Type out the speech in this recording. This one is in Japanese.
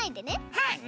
はい！